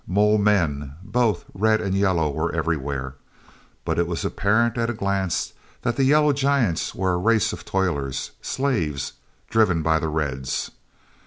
ole men, both red and yellow, were everywhere. But it was apparent at a glance that the yellow giants were a race of toilers—slaves, driven by the reds.